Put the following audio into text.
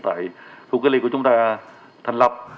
tại khu cách ly của chúng ta